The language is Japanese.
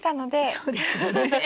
そうですよね。